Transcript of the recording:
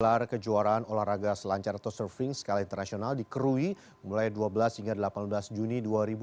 gelar kejuaraan olahraga selancar atau surfing skala internasional di krui mulai dua belas hingga delapan belas juni dua ribu dua puluh